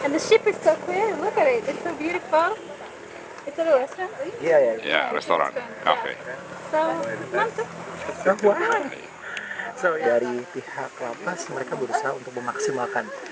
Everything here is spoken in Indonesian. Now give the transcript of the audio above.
dari pihak lapas mereka berusaha untuk memaksimalkan